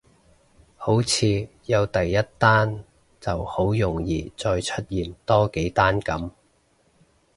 好似有第一單就好容易再出現多幾單噉